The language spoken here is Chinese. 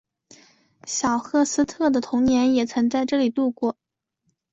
小赫斯特的童年也曾在这里度过。